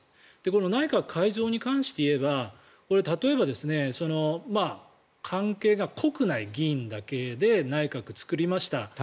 この内閣改造に関して言えばこれ例えば関係が濃くない議員だけで内閣を作りました